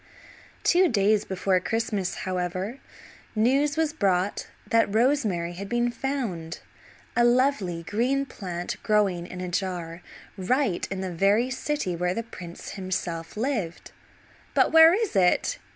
Two days before Christmas, however, news was brought that rosemary had been found, a lovely green plant growing in a jar, right in the very city where the prince himself lived. "But where is it?"